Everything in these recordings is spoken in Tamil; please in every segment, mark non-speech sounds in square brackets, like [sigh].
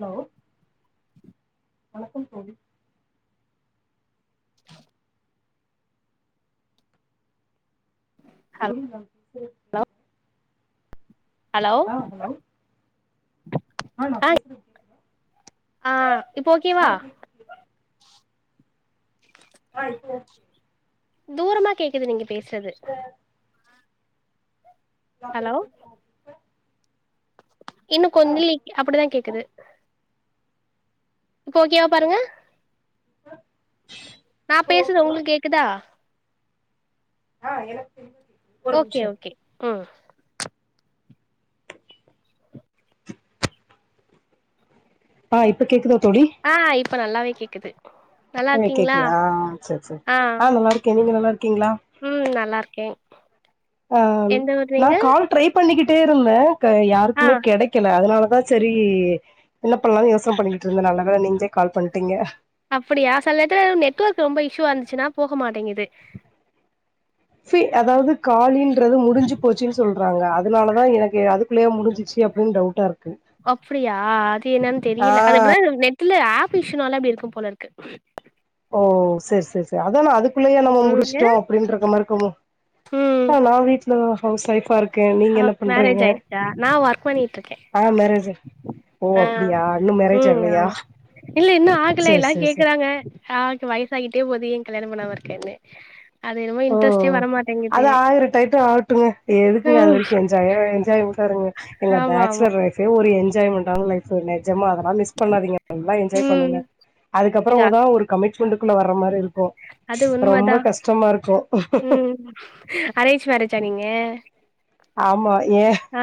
ஹலோ வணக்கம் தோழி தோழி [inaudible] ஹலோ ஹலோ அ நா பேசறது கேக் அ இப்ப ஓகேவா அ இப்ப ஓக் தூரமா கேக்குது நீங்க பேஸ்றது ஹலோ இன்னு கொந்லீக் அப்படிதா கேக்குது இப்ப ஓகேவா பாருங்க நா பேசுறது உங்களுக்கு கேக்குதா அ எனக்கு கேக்குது ஓகே ஓகே ம் அ இப்ப கேக்குதா தோழி ஆ இப்ப நல்லாவே கேக்குது நல்லா இப்பவே இருக்கீங்களா கேக்குதா அ செர் செர் ஆ அ நல்லாயிருக்கே நீங்க நல்லா இருக்கீங்களா ம் நல்லாருக்கே அ நா கால் ட்ரை பண்ணிக்கிட்டே இருந்த க ஆ யாருக்குமே கெடைக்கல அதனாலதா செரி என்ன பண்லானு யோசன பண்ணிக்கிட்டு இருந்த நல்ல வேல நீங்ளே கால் பண்ட்டீங்க அப்படியா சில நேரத்துல நெட்ஒர்க் ரொம்ப இஷ்ஷுவா இருந்துச்சுன்னா போக மாட்டிங்குது சி அதாவது காலின்றது முடிஞ்சு போச்சுன் சொல்றாங்க அதனால தா எனக்கு அது குள்ளயே முடிஞ்சிச்சி அப்டின்னு டவுட்டா இருக் அப்படியா அது என்னன் ஆ தெரியல அது போல நெட்டுல ஆப் இஷ்னாலா அப்டிருக்கு போலருக்கு ஓ செர் செர் செர் அத நா அதுக்குள்ளயே நம்ம முடிஸ்ட்டோ ம் அப்டின்றக்க மார்க்குமோ ம் அ நா வீட்ல தா ஹவுஸ் ஒய்ஃபா இருக்க அ மேரேஜ் ஆயிடுச்சா நா ஒர்க் பண்ணீட்ருக்க அ மேரேஜு ஆ ம் ஆமா இல்ல இன்னு ஆகல சரி எல்லா சரி சரி கேக்கறாங்க ஆ க்கு வயசாகிட்டே போது ஏ கல்யாணோ பண்ணாம இருக்கன்னு அது என்னமோ ஓ இன்ட்ரெஸ்ட்டே வரமாட்டேங்குது அது ஆயிரோ டைட்டு ஆகட்டுங்க எதுக்குங்க அது ம் வரைக்கு எ ஜாயே என்ஜாய்மெண்டா இருங்க எங்க ஆமா ஆமா பேச்லர் லைஃபே ஒரு என்ஜாய்மெண்ட்டான லைப் சோ நெஜமா அதல்லா மிஸ் பண்ணாதீங்க நல்லா என்ஜாய் ம் பண்ணுங்க அதுக்கப்பறோ எங்க அக் தா ஒரு கமிட்மெண்ட்டுக்குள்ள வர்ர மாரி இருக்கு அது ரொம்ப உண்மதா கஷ்டமா இருக்கு ம் அரேஞ்ச் மேரேஜா நீங்க ஆமா ஏ ஆ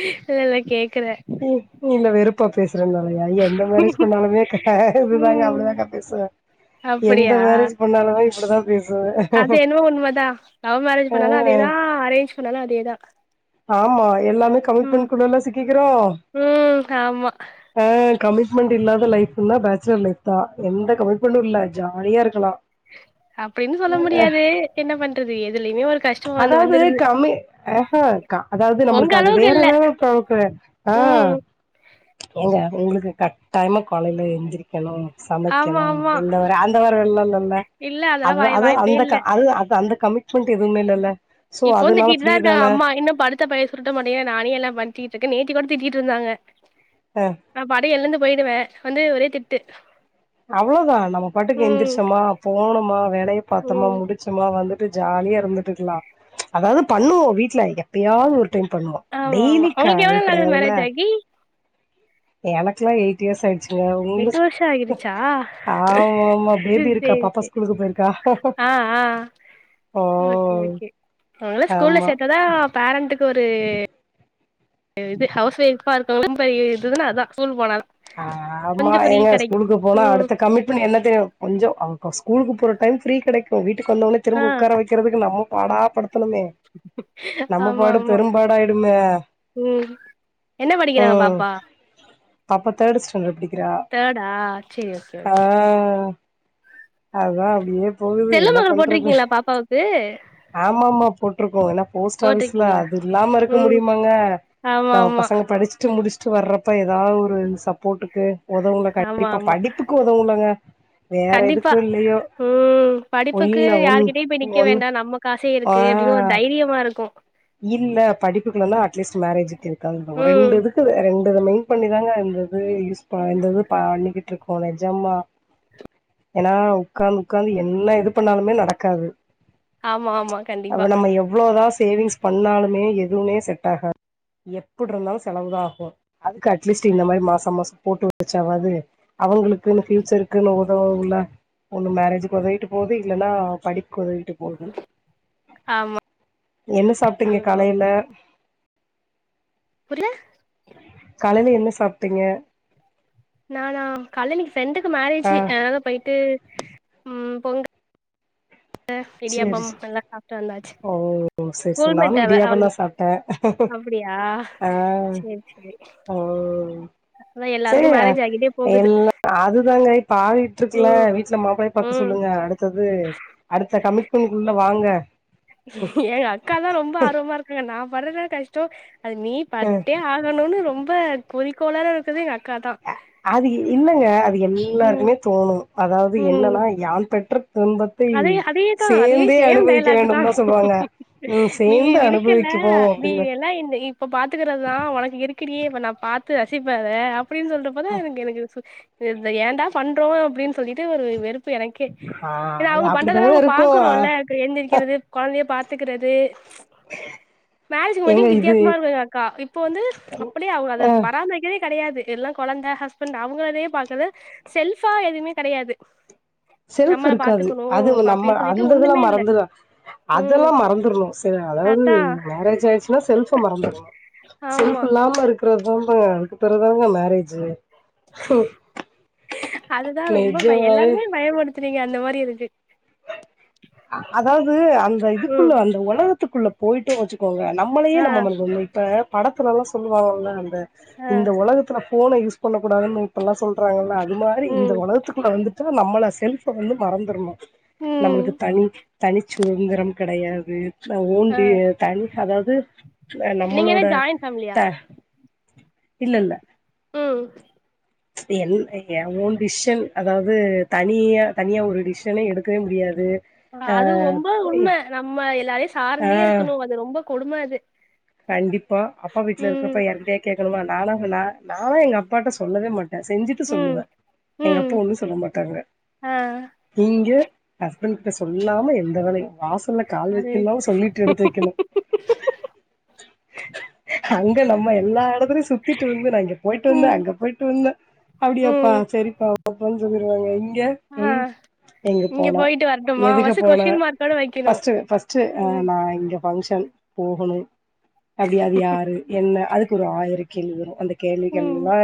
இல்லல்ல கேக்கறே ம் நீ என்ன வெறுப்பா பேஸ் கரனாலயா எந்த மேரேஜ் பண்ணாலுமே [unintelligible] தாங்க ம் அப்படி தாங்க பேசுவ எந்த அப்டியா மேரேஜ் பண்ணாலுமே இப்டிதா பேசுவே அது என்னவோ உண்மதா லவ் மேரேஜ் பண்ணாலு அதேதா அரேஞ்ச் பண்ணாலு அதேதா ஆமா எல்லாமே ம் கமிட்மெண்ட்குள்ளல்ல சிக்கிக்கிறோ ம் ஆமா ஆ கமிட்மெண்டு இல்லாத லைஃப்ன்னா பேச்சுலர் லைஃப் தா எந்த கமிட்மெண்ட்டு இல்ல ஜாலியா இருக்கலா அப்டின்னு சொல்ல முடியாது என்ன பண்றது எதுலயுமே ஒரு கஷ்டோ வந்து அதாவ்து வந்துடுது கம்மி ஆஹா க அதாவது உங்க நம்மளுக்கு அது அளவுக்கு வேற இல்ல வேற [unintelligible] ஆ ம் ஏங்க உங்களுக்கு கட்டாயமா காலையில எந்திரி க்கணு ஆமா சமைக்கணு ஆமா இந்த வர அந்த வர [unintelligible] இல்ல அதெல்லா அத வாய் அத வாய்ப்பே அந்த இல்ல க அத அத அந்த கமிட்மெண்ட் எதும்மே இல்லல்ல சோ இப்பவு அதனால ஃப்ரீ திட்டீட்டுதா இருக்காங்க தான அம்மா இன்னு படு த்த பாய சுருட்ட மாட்டியா நானே எல்லா பண்ட்டிட்ருக்கே நேத்திக் கூட திட்டீட்ருந்தாங்க அ நா பாட்டுக் எழுந்து போய்டுவே வந்து ஒரே திட்டு அவளோதா நம்ம பாட்டுக் ம் எந்திரிச்சமா போனமா வேலைய பாத்தமா ம் முடி ச்சமா வந்துட்டு ஜாலியா இர்ந்துட்டுக்கலா அதாவ்து பண்ணுவோ வீட்ல எப்பயாவ்து ஒரு டைம் பண்ணுவோ ஆமா ஆமா டெய்லி கா உங்களுக்கு இது எவ்ளோ நாள் கெடையாதுல்ல மேரேஜ் ஆகி எனக்ல்லா எய்ட் இயர்ஸ் ஆய்ட்ச்சுங்க உங்ளுக் டாயிருச்சா ம் பேபி இருக்கா சேரி பாப்பா சேர் ஸ்கூலுக்கு போயிருக்கா ஆ ஆ ஓ ஓகே ஓகே அவ்ங்கள ஸ்கூல்ல ஆமா சேத்தாதா பேரண்ட்டுக்கு ஒரு இது ஹவுஸ் ஒய்ஃபா இருக்கவுங்களுக் ரொம்ப இதுதுன்னா அதா ஸ்கூல் போனாதா ஆ ஆமா கொஞ்சோ ஃப்ரீ எங்க கெடைக்கு ஸ்கூலுக்கு போனா ம் அடுத்த கமிட்மெண்ட் என்ன தெரிமா கொஞ்சோ அவுங்க ஸ்கூலுக்கு போற டைம் ஃப்ரீ கெடைக்கு வீட்டுக்கு வந்தோன்னே ஆ திரும்ப உக்கார வெக்கறதுக் கு நம்ம பாடா படுத்தணுங்க நம்ம ஆமா பாடு ஆமா பெரும்பாடா ஆய்டுங்க ம் என்ன படிக்கிறாங்க பாப்பா பாப்பா தேடு ஸ்டாண்டட் படிக்கிறா தேர்டா சேரி ஓகே ஓகே ஆ அதா அப்டியே போகுது செல்வ என்ன மகள் பண்றது போட்ருகீங்ளா பாப்பாவுக்கு ஆமாமா போட்ருகோ ஏனா போஸ்ட் ஆஃபீஸ்ல்ல போட்டிருக்கீங்களா அது இல்லாம இருக்க ம் முடியுமாங்க ஆமா நம்ம ஆமா பசங்க படிச்சிட்டு முடிஸ் ட்டு வர்றப்ப எதா ஒரு சப்போட்டுக்கு ஒதவுல்ல ஆமா கண்டிப்பா ஆமா படிப்புக்கு ஒதவுல்லங்க வேற கண்டிப்பா எதுக்கு இல்லயே ம் படிப்புக்கு யார்கிட்டயு போய் நிக்க ஒன் வேண்டா நம்ம காசே ஆ இருக்கு அப்டின் ஒரு தைரியமாருக்கு இல்ல படிப்புக்கில்லனா அட்லீஸ்ட் மேரேஜுக்கு எதுக்காதுங்க ஒரு ம் ரெண்டு இருக்குது ரெண்டுத மெய்ன் பண்ணிதாங்க இந்த இது யூஸ் ப இந்த இது பண்ணிக்கிட்ருக்கோ நெஜமா ஏனா உக்காந் உக்காந்து என்ன இது பண்ணாலுமே நடக்காது ஆமா ஆமா கண்டிப்பா எவ்ளோதா சேவிங்ஸ் பண்ணாலுமே எதுவ்மே செட்டாகா எப்பிட்ருந்தாலு செலவுதா ஆகு அதுக்கு அட்லீஸ் ட்டு இந்த மாரி மாச மாசோ போட்டு வெச்சாவாது அவுங்களுக்குன்னு ஃப்யூச்சருக்குன்னு ஒதவுமில்ல ஒன்னு மேரேஜுக்கு ஒதவிட்டு போது இல்லன்னா படிப்க்கு ஒதவிட்டு போது ஆமா என்ன சாப்ட்டீங்க காலைல புரில காலைல என்ன சாப்ட்டீங்க நானா காலைல எ ஃப்ரெண்டுக்கு ஆ மேரேஜு அதுனால போய்ட்டு ம் பொங்கல் சேரி இடியாப்பம் சேர் நல்லா சாப்ட்டு வந்தாச்சு ஓ சேர் சேரி ஸ்கூல்மேட் நானு அவ இடியாப்பந்தா அவளுக்கு சாப் ட்டே அப்படியா ஆ சரி சரி ஓ அதா எல்லாருக்கு மேரேஜ் ஆகி இல்லங்க அதுதாங்க இப்ப ஆயிட்ருக்குல்ல ம் வீட்ல மாப்ளய பாக்க ம் சொல்லுங்க அடுத்தது த கமிட்மெண்ட்க்குள்ள வாங்க ஏ அக்கா தா ரொம்ப ஆர்வமா இருக்கறா நா படுற கஷ்டோ அது நீ பட்டே ஆகணுன்னு ரொம்ப குறிக்கோளா இர்க்கற்து எங்க அக்கா தா அது இல் இல்லங்க அது ம் எல்லாருக்குமே தோணு அதாவ்து ம் என்னனா யான் பெற்ற துன்பத் அதே ஹதேதா அதே சேம் டைலாக்கு தா வேண்டும் சொல்லுவாங்க ம் நீ சேந்து இருக்கல்ல அனுபவிக்குவோ நீ அப்டின்னு எல்லா இந்த இப்ப பாத்துக்கறதுதா ஒனக்கு இருக்குடி இப்ப நாப் பாத்து ரசிப்பே அத அப் ப்டின் சொல்றப்பதா எனக்கு எனக்கு இது சு இத ஏண்டாப் பண்றோ அப்டின் சொல்லிட்டு ஒரு வெறுப்பு எனக்கே ஆ எனா அது அவுங்கப் பண்றதெலா அப்டித்தாங்க நம இருக்கு பாக்குறோல்ல இக் எந்திரிக்கிறதுக் கொழந்தையப் பாத்துகிறது உ [inaudible] மேரேஜ்க்கு முனாடி வித்தியாசமா இருக்கு எங்க அக்கா இப்போ வந்து அப்டியே அவுக அதப் பராமரிக்கதே கெடையாது எல்லாங் கொழந்த ஹஸ்பண்ட் அவுங்களதையேப் பாக்கது செஃல்பா எதுவுமேக் கெடையாது செஃல்ப் நம்மள இருக்காது பாத்துக்கணு அதுவு நம்ம அப்படின்னு சொல்லிட்டு அந்த ஒண்ணுமே இதுலாம் இல்ல. மறந்துறா ம். அதெல்லாம் மறந்துருணு செரியா அதாவ்து அதா. மே மேரேஜ் ஆயிர்ச்சுனா செல்ஃப மறந்துருணு ஆமா. செஃல்ப் இல்லாம இருக் கிறதாம்ப்பே அதுக்கப்புறதாங்க மேரேஜூ அதுதா ரொம்ப பய நெஜமாவே எல்லாருமே பயம்படுத்துறீங்க அந்த மாரி இருக்கு அ அதாவ்து அந்த ம். இதுக்குள்ள அந்த ஒலகத்துக்குள்ளப் போய்ட்டோ வெச்சுக் கோங்க நம்மளயே ஆ. நம்ம மறந்துன்னு இப்ப படத்துலலா சொல்லுவாங்கல்ல அந்த ஆ. இந்த ஒலகத்துல ஃபோன யூஸ் பண்ணகூடாதுன்னு இப்பல்லா சொல்றாங்கல்ல அது மாரி இந்த ம். ஒலகத்துகுள்ள வந்துட் த்தா நம்மள செஃல்ப வந்து மறந்துர்ணு ம். நம்ளுக்கு தனி தனிச் சுதந்திரம் கெடையாது த ஆ. ஓண்ட்டி தனி அதாவ்து ந நீங்க என்ன நம்மளோட ஜாயிண்ட் ஃபேமிலியா? த [inaudible] இல்லல்ல ம் என் ஏ ஓன் டிஷ்ஷன் அதாவ்து தனியா தனியா ஒரு டிஷ்ஷனே எடுக்கவே முடியாது ஆ அது ரொம்ப உண்ம நம்ம எல்லாரையு சார்ந்தே ஆ இருக்குணு அது ரொம்பக் கொடும அது கண்டிப்பா அப்பா வீட்ல ம். இருக்கிறப்ப யாருகிட்டியேக் கேக்கணுமா நாலாக நா நாலா எங்க அப்பாட்ட சொல்லவே மாட்டே செஞ்சிட் ட்டு ம். சொல்லுவே எங்க ம். அப்பா ஒன்னு சொல்ல மாட்டாங்க ஆ. இங்க ஹஸ்பண்ட் கிட்ட சொல்லாம எந்த வேலையு வாசல்லக் கால் அது. வெக்கில்னாலு சொல்லிட்டு எடுத்து வெக்கணு அங்க நம்ம எல்லா எடத்துலியு சுத்திட்டு வந்த நா இங்கப் போயிட்டு வந்தே ம். அங்கப் போயிட்டு வந்தே அப்டியாப்பா ம். செரிப்பா அப்பஞ் சொல்லிருவாங்க இங்க ஆ ம் எங்கப் இங்க போன போயிட்டு வரட்டுமா எதுக்குப் ஃபஸ்ட்டு போன கொஸ்டின் மார்க்கோட வைக்கணு ஃபஸ்ட்டு ஃபஸ்ட்டு அ ம் நா இங்கப் ஃபங்ஷன் போகணு அப்டி அது யாரு என்ன அதுக்கு ஒரு ஆயிரக் கேள்வி வரு அந்தக் ம் கேள்விக்கெல்லா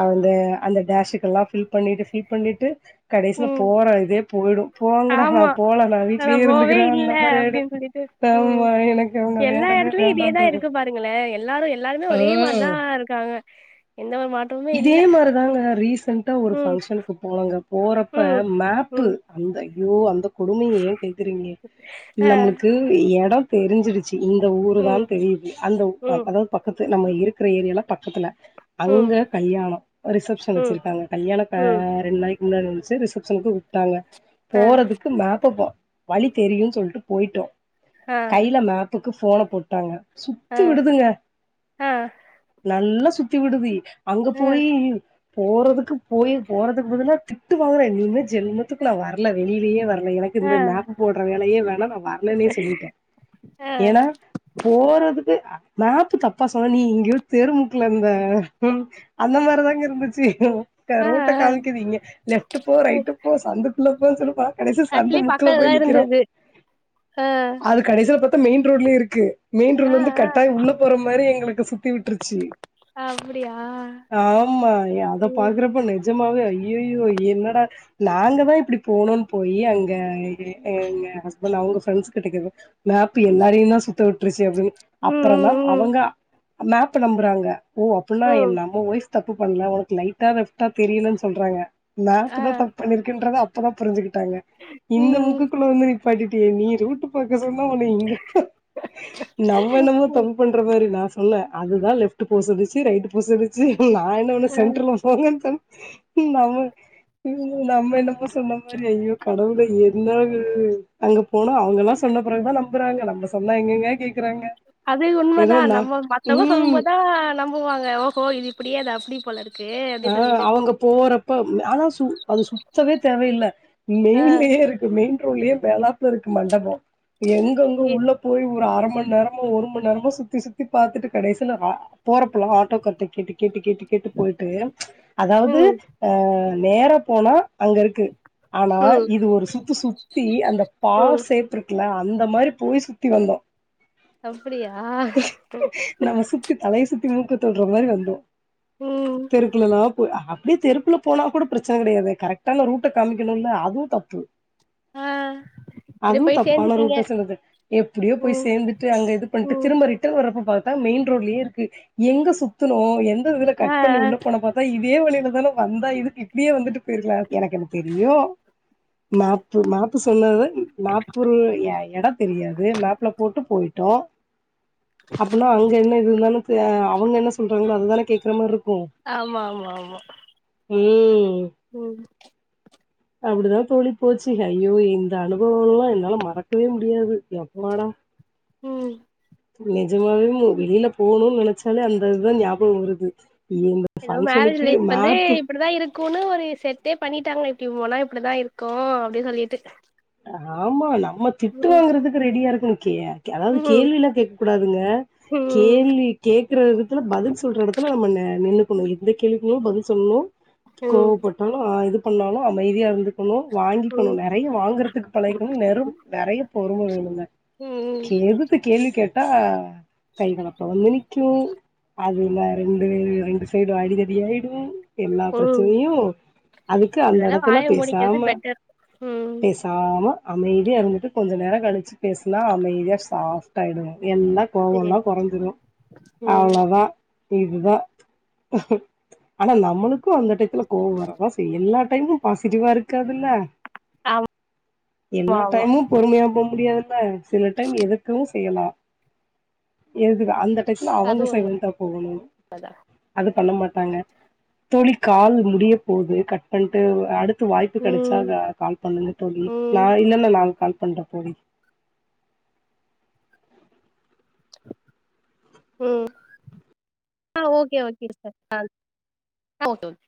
அவுந்த அந்த டேஷுக்கெல்லா ஃபில் பண்ணிட்டு ஃபில் பண்ணிட்டு கடைசிலப் ம் போற இதேப் போய்டு போங்கடா ஆமா நாப் போலா நா வீட்லியே போவே இருந்துகிறே இல்ல அந்த மாரி ஆய்டு அப்டின்னு சொல்லிட்டு தம்மா எனக்கு அவுங்க வேண்டவே ப்டியேதா வேண்டான்ருக்கும். இருக்கு பாருங்களே எல்லாரு எல்லாருமே ஆ. ஒரே மாரிதா இருக்காங்க எந்த ஒரு மாற் இதே மாரிதாங்க ரீசன்ட்டா ஒரு ம் ஃபங்க்ஷனுக்குப் போனோங்க போறப்ப ம் மேப்பு ம் அந்த ஐயோ அந்தக் கொடுமிய ஏங் கேக்குறீங்க ஆ நம்முளுக்கு எடோந் தெரிஞ்சிருச்சி இந்த ஊருதான் ம் தெரியுது அந்தவு ம் அப் அதாவது பக்கத்து நம்ம இருக்கற ஏரியாலப் பக்கத்துல அங்க ம் கல்யாணோ ரிசப்ஷன் ம் வெச்சிருக்காங்க கல்யாணக்க ம் ரெண் நாளைக் முன்னாடிவொன்ச்சே ரிசப்ஷனுக்கு வுட்டாங்க ஆ போறதுக்கு மேப்பபா வழித் தெரியுன் சொல்ட்டு போயிட்டோ ஆ கைல மேப்புக்கு ஃபோனப் போட்டாங்க ஆ சுத்து விடுதுங்க ஆ நல்லா சுத்தி விடுது இ அங்கப் ஆ போயி போறதுக்குப் போயேப் போறதுக்குப் பதலார் திட்டு வாங்குறே நீ இன்மே ஜென்மத்துக்கு நா வர்ல வெளிலியே வர்ல எனக்கு ஆ இந்த மேப்பு போட்ற வேலையே வேணா நா வர் இல்ல நீ சொல்லிட்ட ஆ போறதுக்கு மேப்பு தப்பா சொன்னா நீ இங்கே தெருமுக்குல இருந்த ம் அந்த மாரி தாங்க இருந்துச்சு ஆ ஆ ரோட்ட காமிக்குது இங்க லெஃப்ட் போ ம் ரைட்டு போ சந்தக்குள்ள போ சொல்லுவா கடைசல சந்து ஆக்சுவலி முக்குல பக்கத்துலதா போய் நிக்கிறோ இருந்தது ஆ அது கடைசில பாத்தா மெயின் ரோட்லயு இருக்கு மெயின் ஆ ரோட்லேந்து ஆ கட்டாய் உள்ள போற மாறி எங்களுக்கு சுத்தி விட்டுருச்சு அப்டியா ஆம்மா அத ம் பாக்குறப்போ நெஜமாவே ஐய்யயோ என்னடா நாங்க தா இப்டி போனோன்னு போயி அங்க எங்க ஹஸ்பண்ட் அவங்க ஃப்ரெண்ட்ஸ் கிட்ட கேக்குது மேப்பு எல்லாரையு தா சுத்த விட்டுருச்சு அப்டின்னு ம் அப்பற தா ம் ம் அவங்க மேப்ப நம்புறாங்க ஓ அப்டின்னா ம் என் நம்ம ஒய்ஃப் தப்பு பண்ணல உனக்கு லைட்டா லெஃப்டா தெரியல சொல்றாங்க ஆ மேப்பு தா தப்பு பண்ணி இருக்குன்றத அப் தா புரிஞ்சுக்கிட்டாங்க இந்த ம் முக்கக்குள்ள வந்து நிப்பாட்டியே நீ ரூட் பாக்க சொன்ன உன்ன இங்க நம்ம என்னமோ தப்பு‌ பண்ற மாறி நா சொ சொல்ல அதுதா லெஃப்ட் போ சொன்னுச்சு ரைட் போ சொன்னுச்சி நா என்ன பண்ண ஆ சென்டர்ல போங்கன்னு சொன்னே நம்ம இவுங்க நம்ம என்னமோ சொன்ன மாறி ஐயோ கடவுளே என்னது அங்க போனா அவங்க எல்லா சொன்ன பெறகு தா நம்புறாங்க நம்ம சொன்ன எங்கெங்க கேக்குறாங்க அது உண்ம தா ஏதோ நா நம்ம மத்தவ சொல்லு ம் போது தா நம்புவாங்க ஓஹோ இது இப்டி அது அப்டி போல இருக் அ அவங்க போறப்ப ஆனா சுத் அது சுத்தவே தேவையில்ல ஆ மெயின்லயே இருக் மெயின் ரோட்லயே மேலாப்ல இருக்கு மண்டபோ எங்கங்க ஏ உள்ள போய் ஒரு அர மணி நேரமோ ஒரு மணி நேரமோ சுத்தி சுத்தி பாத்துட்டு கடைசில போறப்பலா ஆட்டோ கார்ட கேட்டு கேட்டு கேட்டு கேட்டு போயிட்டு ச் அதாவது ம் அ நேரா போனா அங்க இருக்கு ஆனா ம் இது ஒரு சுத்து சுத்தி அந்த பா ம் சேப் இருக்குல அந்த மாறி போய் சுத்தி வந்தோ அப்டியா நம்ம சுத்தி தலைய சுத்தி மூக்க தொட்ற மாறி வந்தோ ம் தெருக்குள்ளலா அப்டியே தெருக் குள்ள போனா கூட பிரச்சன கெடையாது கரெக்டான ரூட்ட காமிக்கணுமுல்ல அதுவு தப்பு ஆ அப்டியே அதுவு போய் தப்பான சேந்துட்டீங்க ரூட்ட சொன்னது எப்டியோ போய் ம் சேர்ந்துட்டு அங்க இது பண்ட்டு ம் திரும்ப ரிட் ரிட்டர்ன் வரப்ப பாத்தா மெயின் ரோட்லயே இருக்கு எங்க சுத்துனோ எந்த இதுல ஆ கட் பண்ணி உள்ள போன பாத்தா இதே வழியிலதானே வந்தா இதுக்கு இப்டியே வந்துட்டு போயிருக்கலா எனக்கு என்ன தெரியு மேப்பு மேப்பு சொன்னது நாற்பூரு எடோ தெரியாது மேப்ல போட்டு போயிட்டோ [inaudible] அப்டின்னா அங்க என்ன இது இருந்தாலு அவங்க என்ன சொல்றாங்களோ அதுதானே கேக்குற மாறி இருக்கு ஆமா ஆமா ஆமா ம் ம் அப்டிதா தோழி போச்சு ஐயோ இந்த அனுபவோ எல்லா என்னால மறக்கவே முடியாது எப்பாடா ம் நெஜமாவே வெளியில போணும்னு நெனச்சாலே அந்த அதுதா ஞாபகோ வருது ஏதோ மேரேஜ் ஃபங்ஷனுக்கு லைஃப் வந்து மேப்பு இப்டிதா இரு க்குனு ஒரு செட்டே பண்ணிட்டாங்க இப்டி போனா இப்டித்தா இருக்கு அப்டின்னு சொல்லிட்டு ஆமா நம்ம திட்டு ம் வாங்கறதுக்கு ரெடியா இருக்கணு க்கே அதாவது ம் கேள்விலா கேட்க கூடாதுங்க ம் கேள்வி கேக்குறபிடத்துல பதில் சொல்ற இடத்து த்துல நம்ம நல்ல பொண்ணு எந்த கேள்வி பதில் சொல்லணு ம் ம் கோவப்பட்டு என்ன இது பண்ணாலு அமைதியா இருந்துக்கணு வாங்கிக்கணு நறைய வாங்கறதுக்கு பழகிக்கணு நெரு நெறைய பொறும வேணுங்க ம் எதுத்து கேள்வி கேட்டா கைகளப்பா வந்து நிக்கு அதுல ரெண்டு பேர் ரெண்டு சைடும் அடிதடி ஆயிடும் எல்லா ம் ம் பிரச்சனையு அதுக்கு அந்த அதனால இடத்துல வாய மூடிக்கிறது பேசாம பெட்டர் ம் ஆமா அமைதியாக இருந்துட்டு கொஞ்சம் நேரம் கழிச்சு பேசினா அமைதியாக சாஃப்ட் ஆயிடுவன் எல்லா சேரி கோவலா குறைஞ்சிடும் ம் அவ்ளொதான் இதுதா ஆனா நம்மளுக்கு அந்த டெக் துல கோவம்வரதா செய்யும் எல்லா டைமு பாசிட்டிவா இருக்காது இல்ல ஆமா எல்லா ஆமா டைமு பொறுமையா போ முடியாதுல்ல சில டைம் எதுக்கவு செய்யலா எது அந்த ட்ல அது அவங்க சைலண்டா போகணு உண்மதா அது பண்ண மாட்டாங்க தோழி கால் முடிய போது கட் பண்ணிட்டு அடுத் வாய்ப்பு கிடைச்சா ம் கால் பண்ணுங்க தோழி நா ம் இல்லன்ன நா கால் பண்ற தோழி ம் ஆ ஓகே ஓகே சிஸ்டர் ஆ ஓகே